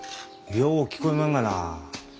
よう聞こえまんがな。